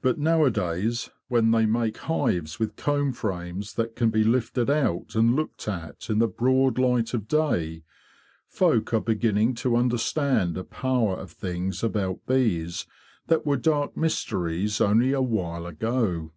But nowadays, when they make hives with comb frames that can be lifted out and looked at in the broad light of day, folk are beginning to understand a power of things about bees that were dark mysteries only a while ago."